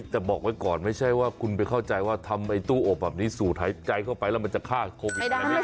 แต่บอกไว้ก่อนไม่ใช่ว่าคุณไปเข้าใจว่าทำไอ้ตู้อบแบบนี้สูดหายใจเข้าไปแล้วมันจะฆ่าโควิดอะไรอย่างนี้